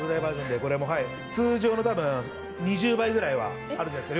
通常の多分２０倍ぐらいはあるんじゃないですか。